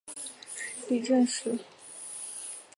李振石是韩国导演。